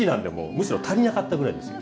むしろ足りなかったぐらいですよ。